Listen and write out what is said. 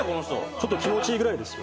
ちょっと気持ちいいぐらいですよ。